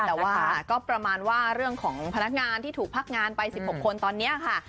แต่ว่าก็ประมาณว่าเรื่องของพนักงานที่ถูกพักงานไป๑๖คนตอนนี้ค่ะ